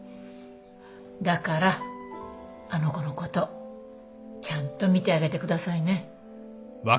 だからあの子のことちゃんと見てあげてくださいね。